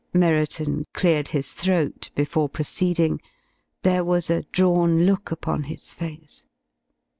Merriton cleared his throat before proceeding. There was a drawn look upon his face.